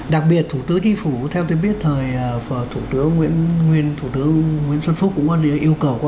đặc biệt thủ tướng chí phủ theo tôi biết thời thủ tướng nguyễn xuân phúc cũng có yêu cầu